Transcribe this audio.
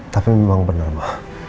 tapi memang benar ma